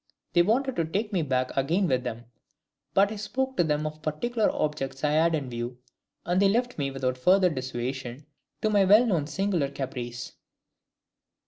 They wanted to take me back again with them; but I spoke to them of particular objects I had in view, and they left me without further dissuasion, to my well known singular caprice.